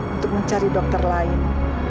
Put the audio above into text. untuk mencari dokter lain